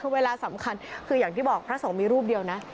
คือเวลาสำคัญคืออย่างที่บอกพระสงฆ์มีรูปเดียวนะ